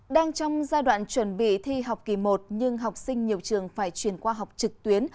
đang trong giai đoạn chuẩn bị thi học kỳ một nhưng học sinh nhiều trường phải chuyển qua học trực tuyến